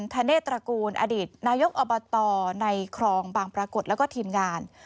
ธเนตตระกูลอดีตนายกอบตในครองบางปรากฏแล้วก็ทีมงาน